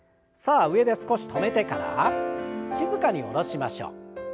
さあ上で少し止めてから静かに下ろしましょう。